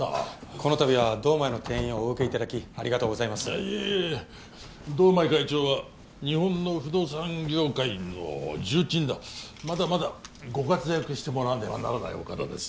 このたびは堂前の転院をお受けいただきありがとうございますいえいえ堂前会長は日本の不動産業界の重鎮だまだまだご活躍してもらわねばならないお方です